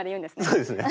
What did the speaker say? そうですね。